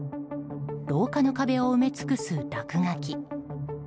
廊下の壁を埋め尽くす落書き。